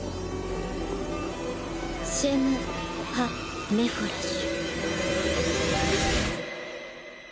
シェムハ・メフォラシュ。